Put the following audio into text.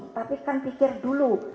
tapi kan pikir dulu